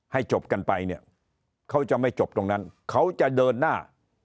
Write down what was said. จบกันไปเนี่ยเขาจะไม่จบตรงนั้นเขาจะเดินหน้า